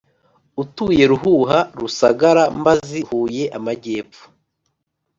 utuye Ruhuha RusagaraMbazi Huye Amajyepfo